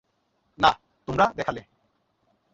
না, তোমরা দেখালে।